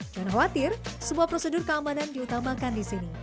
jangan khawatir semua prosedur keamanan diutamakan di sini